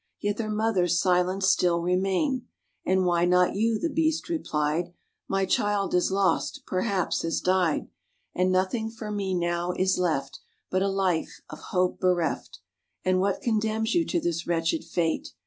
Yet their mothers silent still remain; And why not you?" The beast replied, "My child is lost, perhaps has died; And nothing for me now is left But a life of hope bereft." "And what condemns you to this wretched fate?"